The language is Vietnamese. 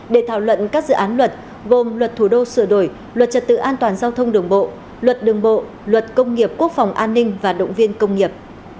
để thảo luận các dự án luật gồm luật thủ đô sửa đổi luật trật tự an toàn giao thông đường bộ luật đường bộ luật công nghiệp quốc phòng an ninh và động viên công nghiệp